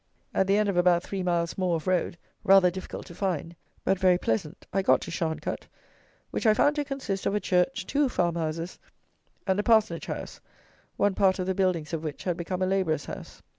At the end of about three miles more of road, rather difficult to find, but very pleasant, I got to Sharncut, which I found to consist of a church, two farmhouses, and a parsonage house, one part of the buildings of which had become a labourer's house.